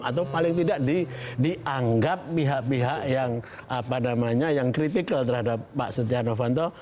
atau paling tidak dianggap pihak pihak yang apa namanya yang critical terhadap pak setia novanto